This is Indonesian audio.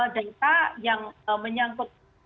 data yang menyangkut